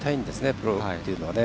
プロというのは。